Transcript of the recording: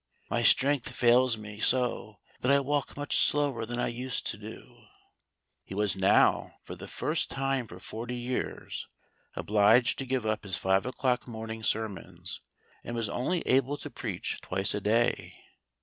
My strength fails me so that I walk much slower than I used to do." He was now, for the first time for forty years, obliged to give up his five o'clock morning sermons, and was only able to preach twice a day.